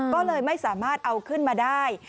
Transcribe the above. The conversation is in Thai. ก็เลยไม่สามารถเอาขึ้นมาได้